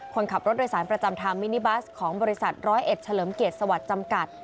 คนขับรถโดยสารประจำทางมินิบัสของบริษัทร้อยเอ็ดเฉลิมเกียรติสวัสดิ์จำกัด